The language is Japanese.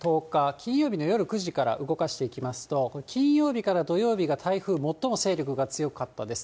金曜日の夜９時から動かしてみますと、金曜日から土曜日が、台風、最も勢力が強かったです。